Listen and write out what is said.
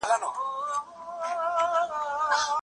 ورزش کول د بدن لپاره ډېر ګټور دی.